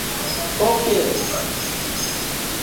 He would have been superb.